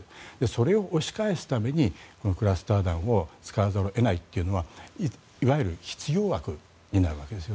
それを押し返すためにクラスター弾を使わざるを得ないというのはいわゆる必要悪になるわけです。